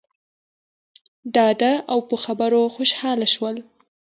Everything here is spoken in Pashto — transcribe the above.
ډاډه او په خبرو خوشحاله شول.